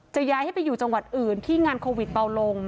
ย้ายให้ไปอยู่จังหวัดอื่นที่งานโควิดเบาลง